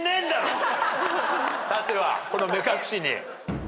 さてはこの「めかくし」に。